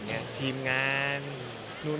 อ๋อก่ะกลิ่นต้นรถ